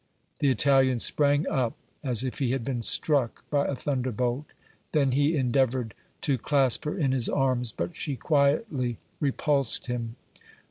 The Italian sprang up as if he had been struck by a thunderbolt; then he endeavored to clasp her in his arms, but she quietly repulsed him.